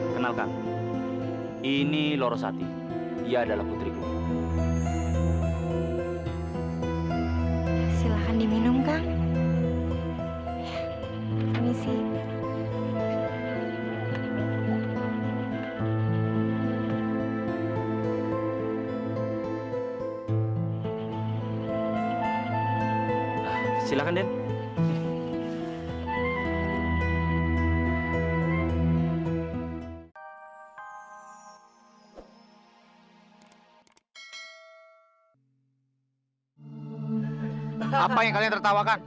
sampai jumpa di video selanjutnya